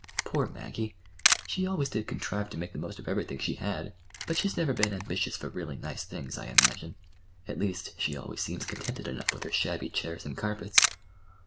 "Poor Maggie! She always did contrive to make the most of everything she had. But she's never been ambitious for really nice things, I imagine. At least, she always seems contented enough with her shabby chairs and carpets.